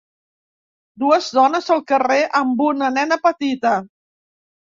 Dues dones al carrer amb una nena petita.